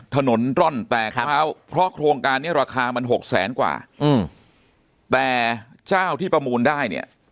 ถนนร่อนแตกร้าวเพราะโครงการนี้ราคามันหกแสนกว่าอืมแต่เจ้าที่ประมูลได้เนี่ย